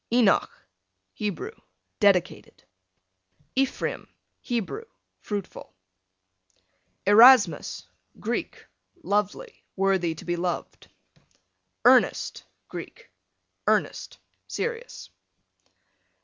Enoch, Hebrew, dedicated. Ephraim, Hebrew, fruitful. Erasmus, Greek, lovely, worthy to be loved. Ernest, Greek, earnest, serious.